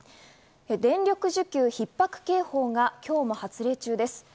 電力需給ひっ迫警報が今日も発令中です。